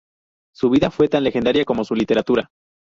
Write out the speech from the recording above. Su vida fue tan legendaria como su literatura.